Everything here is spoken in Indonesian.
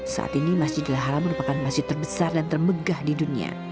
saat ini masjidil haram merupakan masjid terbesar dan termegah di dunia